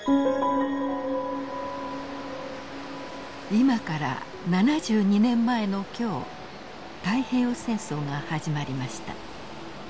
今から７２年前の今日太平洋戦争が始まりました。